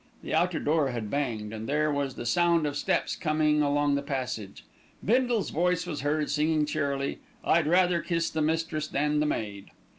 The outer door had banged, and there was the sound of steps coming along the passage. Bindle's voice was heard singing cheerily, "I'd rather Kiss the Mistress than the Maid."